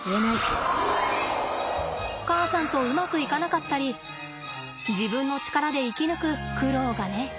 母さんとうまくいかなかったり自分の力で生き抜く苦労がね。